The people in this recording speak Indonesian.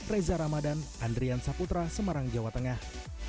reza ramadan andrian saputra semarang jawa tengah